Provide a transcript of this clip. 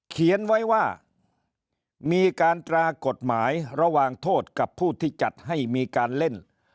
เขียนไว้ว่ามีการตรากฎหมายระหว่างโทษกับผู้ที่จัดให้มีการเล่น